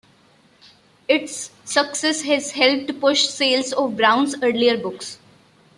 Its success has helped push sales of Brown's earlier books.